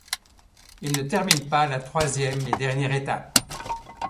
Il ne termine pas la troisième et dernière étape.